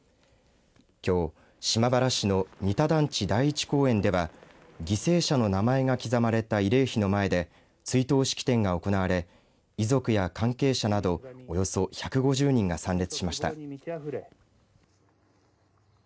きょう、島原市の仁田団地第一公園では犠牲者の名前が刻まれた慰霊碑の前で追悼式典が行われ遺族や関係者などおよそ１５０人が参列しました。